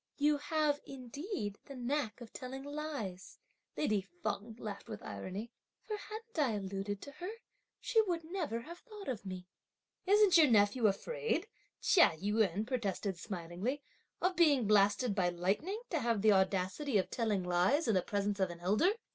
"You have, indeed, the knack of telling lies!" lady Feng laughed with irony; "for hadn't I alluded to her, she would never have thought of me!" "Isn't your nephew afraid," Chia Yün protested smilingly, "of being blasted by lightning to have the audacity of telling lies in the presence of an elder!